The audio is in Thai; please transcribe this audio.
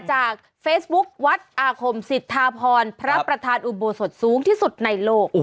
จากเฟซบุ๊ควัดอาคมสิทธาพรพระประธานอุโบสถสูงที่สุดในโลก